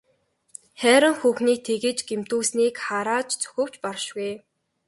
Хайран хүүхнийг тэгж гэмтүүлснийг харааж зүхэвч баршгүй.